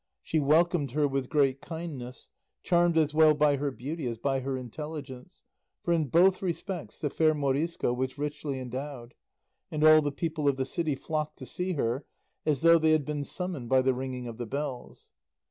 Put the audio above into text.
She welcomed her with great kindness, charmed as well by her beauty as by her intelligence; for in both respects the fair Morisco was richly endowed, and all the people of the city flocked to see her as though they had been summoned by the ringing of the bells.